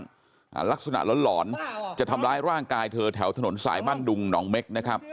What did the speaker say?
อ่าลักษณะหลอนหลอนจะทำร้ายร่างกายเธอแถวถนนสายบ้านดุงหนองเม็กนะครับ